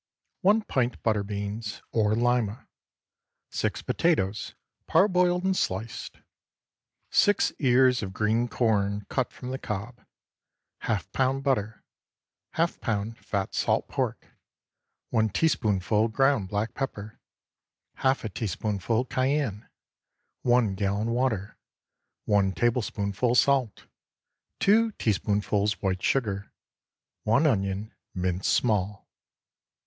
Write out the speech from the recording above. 1 pint butter beans, or Lima. 6 potatoes—parboiled and sliced. 6 ears of green corn cut from the cob. ½ lb. butter. ½ lb. fat salt pork. 1 teaspoonful ground black pepper. Half a teaspoonful cayenne. 1 gallon water. 1 tablespoonful salt. 2 teaspoonfuls white sugar. 1 onion, minced small.